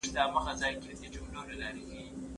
په ناحقه وینو سره قصابان ډیر دي